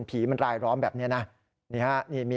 ผีมันรายล้อมแบบนี้นะ